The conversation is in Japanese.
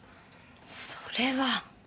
それは。